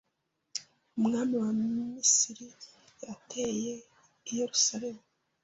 umwami wa Misiri yateye i Yerusalemu